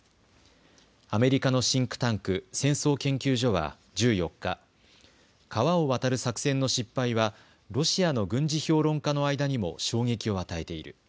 アメリカのシンクタンク、戦争研究所は１４日、川を渡る作戦の失敗はロシアの軍事評論家の間にも衝撃を与えている。